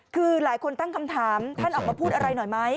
คือหลายคนตั้งคำถามท่านออกมาพูดอะไรหน่อยไหม